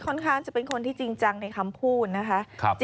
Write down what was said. ข้างจะเป็นคนที่จริงจังในคำพูดนะคะ